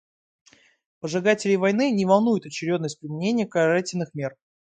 Поджигателей войны не волнует очередность применения карательных мер.